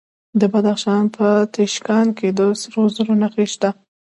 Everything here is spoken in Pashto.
د بدخشان په تیشکان کې د سرو زرو نښې شته.